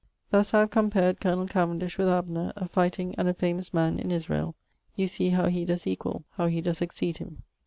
'Thus I have compared colonel Cavendish with Abner, a fighting and a famous man in Israel; you see how he does equal, how he does exceed him.'